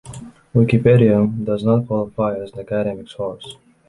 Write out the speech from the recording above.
Wikipedia does not qualify as an academic source.